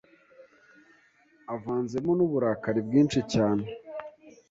avanzemo n’uburakari bwinshi cyane